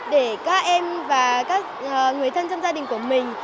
để các em và các người thân trong gia đình của mình